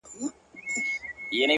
• صبر وکړه لا دي زمانه راغلې نه ده؛